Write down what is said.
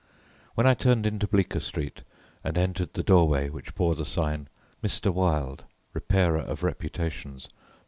When I turned into Bleecker Street, and entered the doorway which bore the sign MR. WILDE, REPAIRER OF REPUTATIONS.